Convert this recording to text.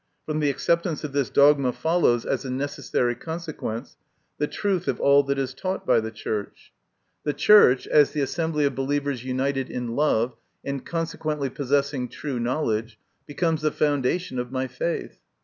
From the acceptance of this dogma follows, as a necessary consequence, the truth of all that is taught by the Church. MY COfrFMSSIOtt. 12S The Church, as the assembly of believers united in love, and consequently possessing true knowledge, becomes the foundation of my faith.